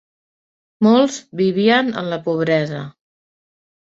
Molts vivien en la pobresa.